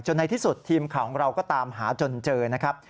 ในที่สุดทีมข่าวของเราก็ตามหาจนเจอนะครับ